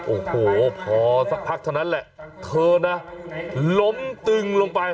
โอ้โหพอสักพักเท่านั้นแหละเธอนะล้มตึงลงไป